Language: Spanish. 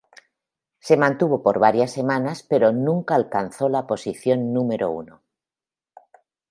Se mantuvo por varias semanas pero nunca alcanzó la posición número uno.